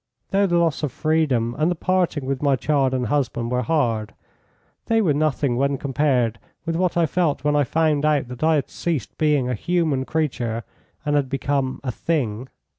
Though the loss of freedom and the parting with my child and husband were hard, they were nothing when compared with what I felt when I found out that I had ceased being a human creature and had become a thing.